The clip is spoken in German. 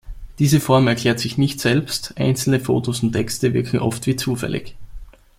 Diese Form erklärt sich nicht selbst, einzelne Fotos und Texte wirken oft wie zufällig.